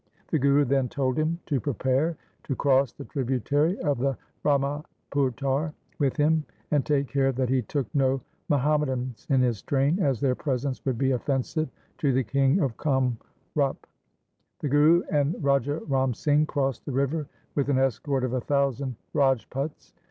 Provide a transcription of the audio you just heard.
The Guru then told him to prepare to cross the tributary of the Brahmaputar with him, and take care that he took no Muham madans in his train as their presence would be offensive to the king of Kamrup. The Guru and Raja Ram Singh crossed the river with an escort of a thousand Rajputs.